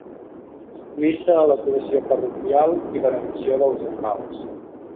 Missa a l'Església Parroquial i benedicció dels animals.